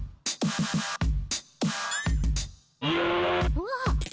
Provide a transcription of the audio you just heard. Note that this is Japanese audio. うわっ！